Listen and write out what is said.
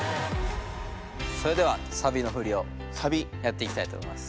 それではサビの振りをやっていきたいと思います。